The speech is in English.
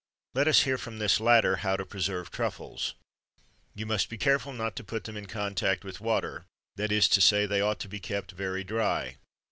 Let us hear from this latter how to preserve truffles. You must be careful not to put them in contact with water; that is to say, that they ought to be kept very dry.